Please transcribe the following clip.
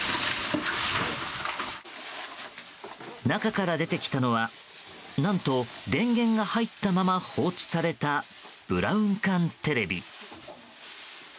中から出てきたのは何と電源が入ったまま放置されたブラウン管テレビ。